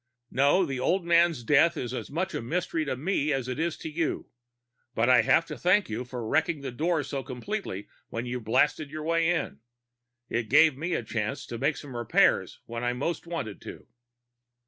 "No, the old man's death is as much of a mystery to me as it is to you. But I have to thank you for wrecking the door so completely when you blasted your way in. It gave me a chance to make some repairs when I most wanted to."